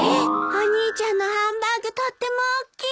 お兄ちゃんのハンバーグとってもおっきい。